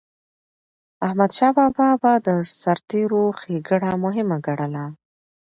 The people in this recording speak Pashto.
احمدشاه بابا به د سرتيرو ښيګڼه مهمه ګڼله.